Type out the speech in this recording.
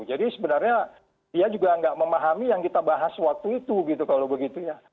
jadi sebenarnya dia juga nggak memahami yang kita bahas waktu itu gitu kalau begitu ya